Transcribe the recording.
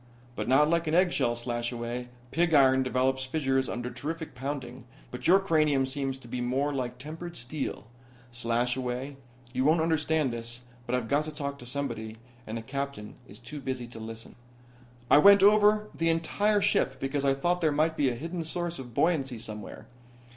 "But not like an eggshell, Slashaway. Pig iron develops fissures under terrific pounding but your cranium seems to be more like tempered steel. Slashaway, you won't understand this, but I've got to talk to somebody and the Captain is too busy to listen. "I went over the entire ship because I thought there might be a hidden source of buoyancy somewhere.